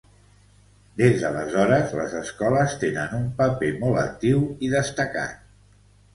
Des d'aleshores, les escoles tenen un paper molt actiu i destacat.